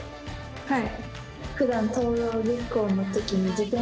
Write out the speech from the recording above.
はい。